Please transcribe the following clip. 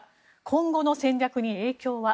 今後の戦略に影響は？